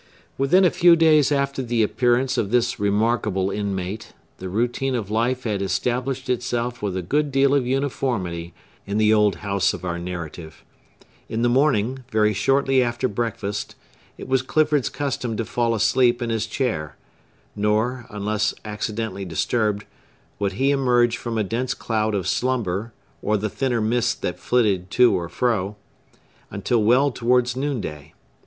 Within a few days after the appearance of this remarkable inmate, the routine of life had established itself with a good deal of uniformity in the old house of our narrative. In the morning, very shortly after breakfast, it was Clifford's custom to fall asleep in his chair; nor, unless accidentally disturbed, would he emerge from a dense cloud of slumber or the thinner mists that flitted to and fro, until well towards noonday.